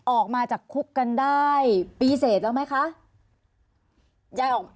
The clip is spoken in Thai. ออกมาจากคุกกันได้ปีเสร็จแล้วไหมคะ